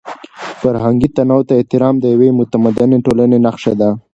فرهنګي تنوع ته احترام د یوې متمدنې ټولنې نښه ده.